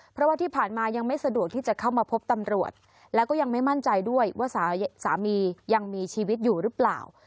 เพราะว่าที่ผ่านมายังไม่สะดวกที่จะเข้ามาพบตำรวจแล้วก็ยังไม่มั่นใจด้วยว่าสามียังมีชีวิตอยู่หรือเปล่า